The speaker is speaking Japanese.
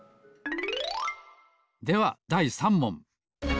ではだい３もん。